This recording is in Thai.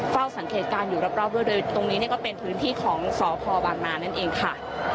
เฝ้าสังเกตการณ์อยู่รอบด้วยโดยตรงนี้ก็เป็นพื้นที่ของสพบางนานั่นเองค่ะ